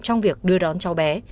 trong việc đưa đón cháu bé